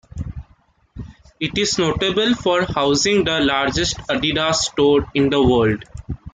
It is notable for housing the largest Adidas store in the world.